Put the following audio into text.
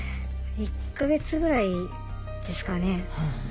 １か月ぐらいですかね。